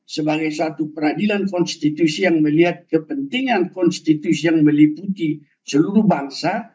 sebagai suatu peradilan konstitusi yang melihat kepentingan konstitusi yang meliputi seluruh bangsa